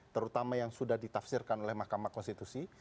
terutama yang sudah ditafsirkan oleh mahkamah konstitusi